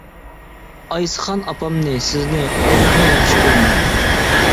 ئايسىخان ئاپامنى، سىزنى، قويلارنى ياخشى كۆرىمەن.